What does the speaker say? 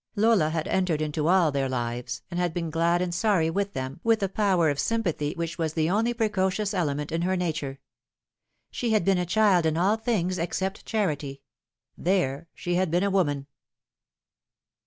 Lola had entered into all their lives, and had been glad and sorry with them with a power of sympathy which was the only precocious element in her nature. She had been a child in all things except charity ; there she had been a woman.